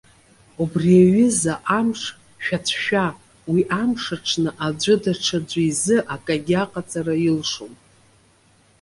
Убри аҩыза амш шәацәшәа, уи амш аҽны аӡәы даҽаӡәы изы акагьы аҟаҵара илшом.